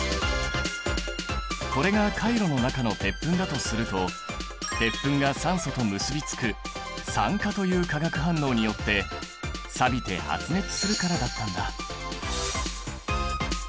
これがカイロの中の鉄粉だとすると鉄粉が酸素と結びつく酸化という化学反応によってさびて発熱するからだったんだ！